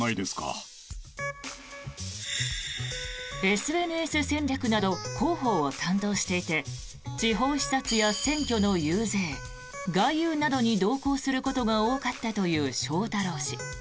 ＳＮＳ戦略など広報を担当していて地方視察や選挙の遊説外遊などに同行することが多かったという翔太郎氏。